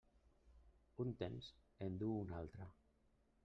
Un temps en du un altre.